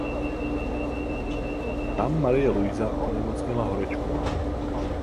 Tam Marie Luisa onemocněla horečkou.